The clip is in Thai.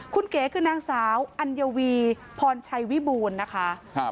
คุณเก๋คือนางสาวอัญวีพรชัยวิบูรณ์นะคะ